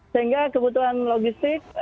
sehingga kebutuhan logistik